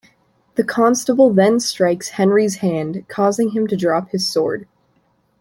The Constable then strikes Henry's hand, causing him to drop his sword.